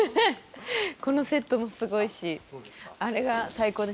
このセットもすごいしあれが最高でした。